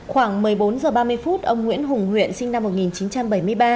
khoảng một mươi bốn h ba mươi phút ông nguyễn hùng huyện sinh năm một nghìn chín trăm bảy mươi ba